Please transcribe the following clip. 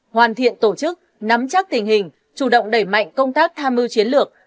hoàn thiện tổ chức nắm chắc tình hình chủ động đẩy mạnh công tác tham mưu chiến lược